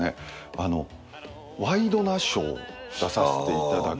あの『ワイドナショー』出させていただく。